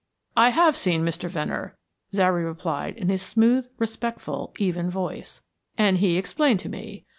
"I have seen Mr. Venner," Zary replied in his smooth, respectful, even voice, "and he explained to me.